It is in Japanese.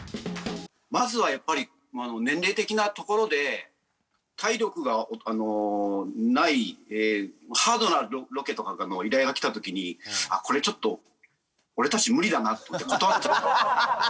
まずはやっぱり年齢的なところで体力がないんでハードなロケとかの依頼が来た時にこれちょっと俺たち無理だなって断っちゃう。